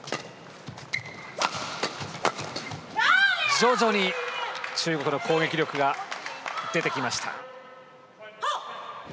徐々に中国の攻撃力が出てきました。